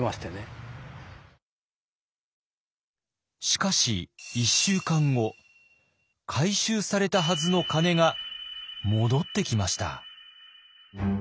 しかし一週間後回収されたはずの鐘が戻ってきました。